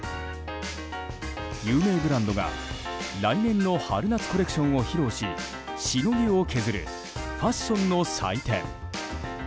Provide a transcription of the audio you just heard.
有名ブランドが来年の春夏コレクションを披露ししのぎを削るファッションの祭典。